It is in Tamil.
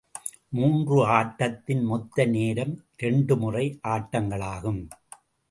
மூன்று ஆட்டத்தின் மொத்த நேரம் இரண்டு முறை ஆட்டங்களாகும்.